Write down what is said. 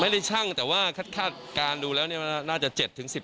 ไม่ได้ช่างแต่ว่าคาดการดูแล้วน่าจะ๗๑๐กิโลได้๗๑๐ครับ